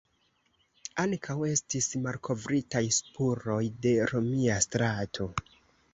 Ankaŭ estis malkovritaj spuroj de romia strato.